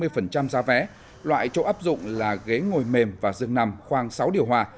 khi hành khách mua vé loại chỗ áp dụng là ghế ngồi mềm và dừng nằm khoang sáu điều hòa